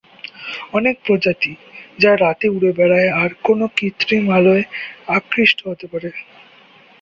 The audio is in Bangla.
অনেক প্রজাতি, যা রাতে উড়ে বেড়ায়, আর কোনো কৃত্রিম আলোয় আকৃষ্ট হতে পারে।